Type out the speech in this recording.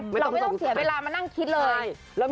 ไม่ต้องเสียเวลา